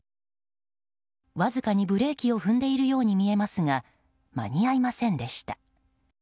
わずかにブレーキを踏んでいるように見えますが間に合いませんでした。